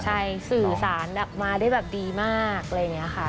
ใช่สื่อสารแบบมาได้แบบดีมากอะไรอย่างนี้ค่ะ